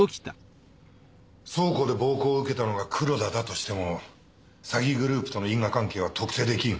倉庫で暴行を受けたのが黒田だとしても詐欺グループとの因果関係は特定できん。